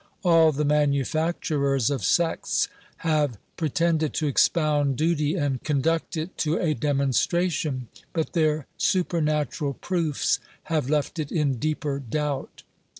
All the manufacturers of sects have pretended to expound OBERMANN 207 duty and conduct it to a demonstration, but their super natural proofs have left it in deeper doubt.